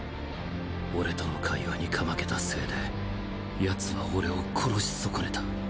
俺との会話にかまけたせいでヤツは俺を殺し損ねた。